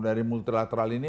nama nama buat kita itu adalah